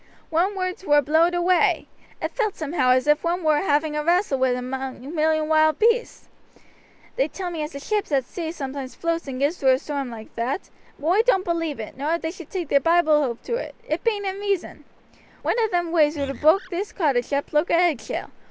One's words war blowed away. It felt somehow as if one war having a wrastle wi' a million wild beasts. They tells me as the ships at sea sometoimes floates and gets through a storm loike that; but oi doan't believe it, and shouldn't if they took their Bible oath to it, it bain't in reason. "One of them waves would ha' broaked this cottage up loike a eggshell.